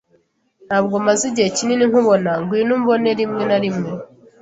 Ntabwo maze igihe kinini nkubona. Ngwino umbone rimwe na rimwe.